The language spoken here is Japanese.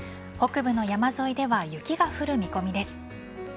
北部の山沿いでは雪が降る見込みです。